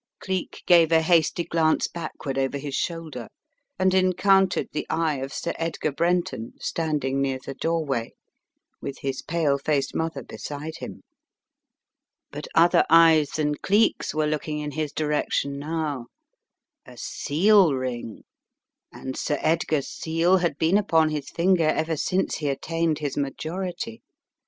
Cleek gave a hasty glance backward over his shoulder, and en countered the eye of Sir Edgar Brenton standing near the doorway, with his pale faced mother be side him. But other eyes than Cleek's were looking in his The Twin Scarves 228 direction now. A seal ring? And Sir Edgar's seal had been upon his finger ever since he attained his majority!